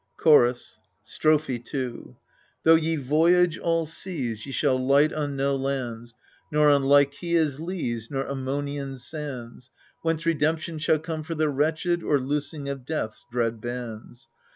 CHORUS. Strophe 2 Though ye voyage all seas, Ye shall light on no lands, Nor on Lycia's leas, Nor Ammonian sands, Whence redemption shall come for the wretched, or loos ing of Death's dread bands.